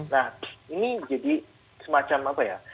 nah ini jadi semacam apa ya